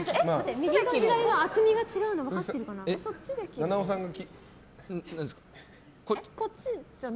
右と左の厚みが違うの分かってるかな。